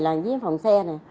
là dưới phòng xe này